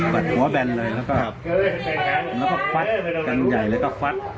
กัดหัวแบนเลยแล้วก็แล้วก็ควัดกันใหญ่เลยก็ควัด